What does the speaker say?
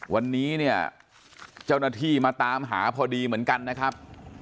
วันนี้เนี่ยเจ้าหน้าที่มาตามหาพอดีเหมือนกันนะครับ